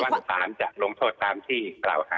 เชื่อวันตามจากโรงโทษตามที่เปล่าค่ะ